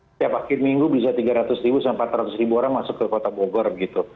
setiap akhir minggu bisa tiga ratus empat ratus ribu orang masuk ke kota bogor